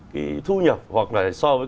cái thu nhập hoặc là so với